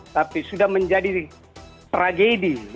tapi sudah menjadi tragedi